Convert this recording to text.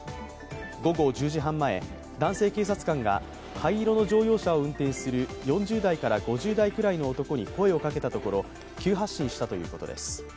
午後１０時半前、男性警察官が灰色の乗用車を運転する４０代から５０代くらいの男性に声をかけたところ、急発進したということです。